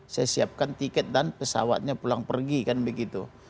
saya siapkan tiket dan pesawatnya pulang pergi kan begitu